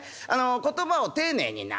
言葉を丁寧にな。